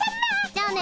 じゃあね。